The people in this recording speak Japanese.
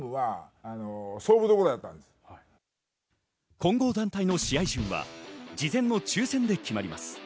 混合団体の試合順は事前の抽選で決まります。